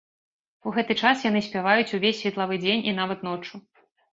У гэты час яны спяваюць ўвесь светлавы дзень і нават ноччу.